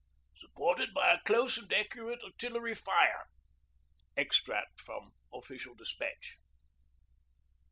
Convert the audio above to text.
supported by a close and accurate artillery fire ..._' EXTRACT FROM OFFICIAL DESPATCH.